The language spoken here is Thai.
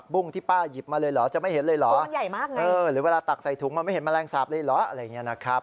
กุ้งใหญ่มากนึงหรือว่าถักใส่ถุงมันไม่เห็นแมลงสาปเลยหรือ